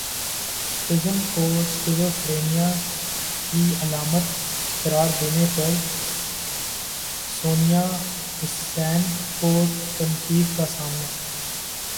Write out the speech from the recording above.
ٹزم کو شیزوفیرینیا کی علامت قرار دینے پر سونیا حسین کو تنقید کا سامنا